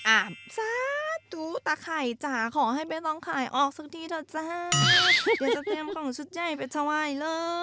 อ่าจ๊ะดูตาไข่จ๋าขอให้ไม่ต้องขายออกสักทีเถอะจ๊ะเดี๋ยวจะเต็มกล่องชุดใหญ่ไปถวายเลย